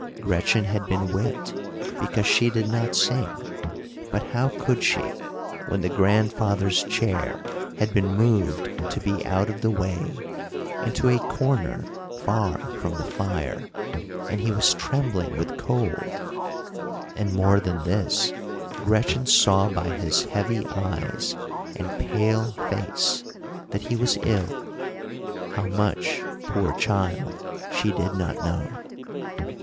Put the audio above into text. Gretchen had been whipped because she did not sing; but how could she, when the grandfather's chair had been moved to be out of the way, into a corner far from the fire, and he was trembling with cold; and, more than this, Gretchen saw by his heavy eyes and pale face that he was ill—how much, poor child, she did not know.